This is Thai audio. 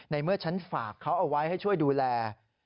เมื่อฉันฝากเขาเอาไว้ให้ช่วยดูแล